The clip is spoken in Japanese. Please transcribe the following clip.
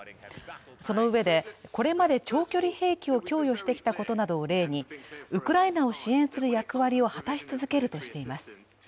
そのうえで、これまで長距離兵器を供与してきたことなどを例にウクライナを支援する役割を果たし続けるとしています。